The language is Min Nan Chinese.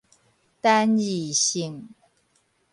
單字性